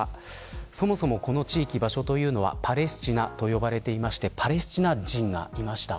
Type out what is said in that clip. そもそもこの地域、場所というのはパレスチナと呼ばれていてパレスチナ人がいました。